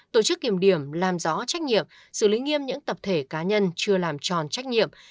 tổ chức kiểm điểm làm rõ trách nhiệm xử lý nghiêm những tập thể cá nhân chưa làm tròn trách nhiệm